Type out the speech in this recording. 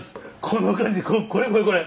この感じこれこれこれ。